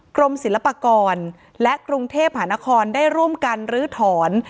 กรมศิลปากรและกรุงเทพหานครได้ร่วมกันลื้อถอน